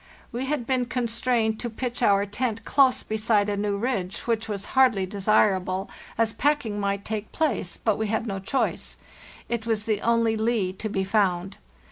We had been con strained to pitch our tent close beside a new ridge, which A HARD STRUGGLE 197 was hardly desirable, as packing might take place, but we had no choice; it was the only lee to be found.